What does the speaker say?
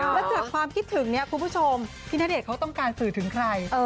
แล้วจากความคิดถึงเนี่ยคุณผู้ชมพี่ณเดชนเขาต้องการสื่อถึงใคร